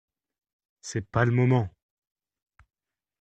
C’est pas le moment !